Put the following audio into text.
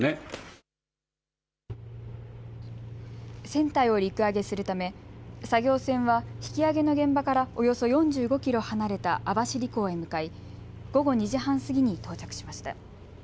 船体を陸揚げするため作業船は引き揚げの現場からおよそ４５キロ離れた網走港へ向かい午後２時半過ぎに到着しました。